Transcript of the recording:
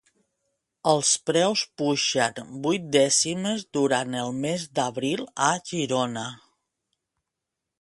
Els preus pugen vuit dècimes durant el mes d'abril a Girona.